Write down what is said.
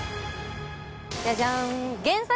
ジャジャン。